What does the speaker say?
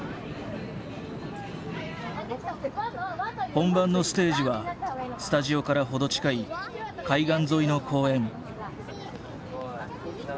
本番のステージはスタジオから程近い海岸沿いの公園。